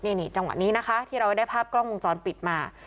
นี่จังหวะนี้นะคะที่เราได้ภาพกล้องวงจรปิดมา